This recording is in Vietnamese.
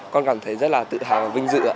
con cảm thấy rất là tự hào và vinh dự